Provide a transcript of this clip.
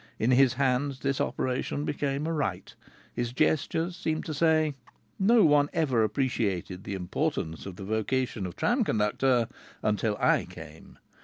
In his hands this operation became a rite. His gestures seemed to say, "No one ever appreciated the importance of the vocation of tram conductor until I came.